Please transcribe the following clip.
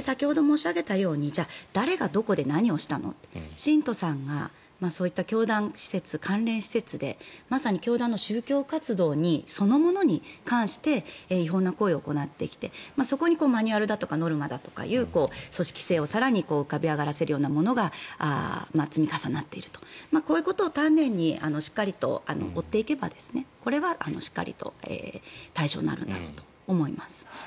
先ほど申し上げたように誰がどこで何をしたの信徒さんがそういった教団施設、関連施設でまさに教団の宗教活動そのものに関して違法な行為を行ってきてそこにマニュアルだとかノルマだとかいう組織性を更に浮かび上がらせるようなものが積み重なっているとこういうことを丹念にしっかりと追っていけばこれはしっかりと対象になるんだと思います。